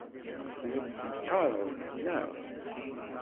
La tt-teqqareḍ, naɣ?